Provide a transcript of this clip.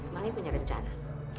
mami punya rencana